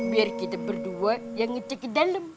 biar kita berdua yang itu ke dalam